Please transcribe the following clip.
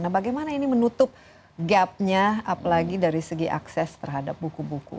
nah bagaimana ini menutup gapnya apalagi dari segi akses terhadap buku buku